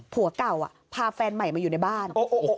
ผัวเก่าพาแฟนใหม่มาอยู่ในบ้าน